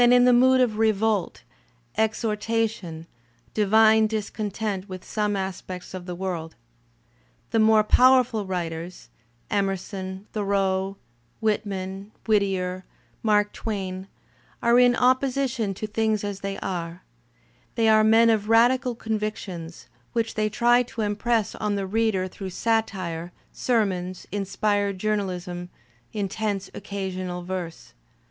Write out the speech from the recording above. in the mood of revolt, exhortation, divine discontent with some ■/> aspects of the world. The more powerful writers, Emerson, | Thoreau, Whitman, Whittier, Mark Twain, are in opposition to things as they are; they are men of radical convictions, which they try to impress on the reader through satire, ser mons, inspired journalism, intense occasional verse.